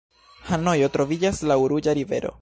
Hanojo troviĝas laŭ Ruĝa rivero.